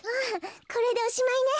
これでおしまいね。